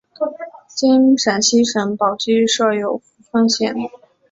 今陕西省宝鸡市设有扶风县。